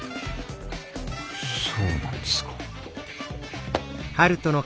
そうなんですか。